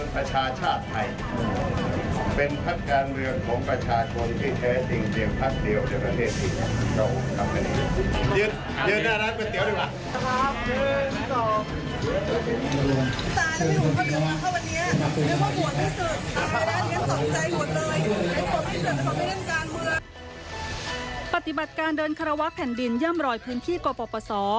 ปฏิบัติการเดินคารวะแผ่นดินย่ำรอยพื้นที่กปศ